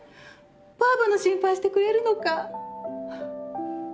ばあばの心配してくれるのか？